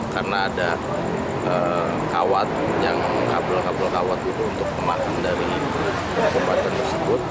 karena ada kawat yang kabel kabel kawat itu untuk pemakam dari kabupaten tersebut